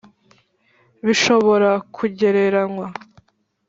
Bishobora Kugereranywa